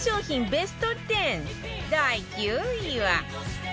ベスト１０第９位は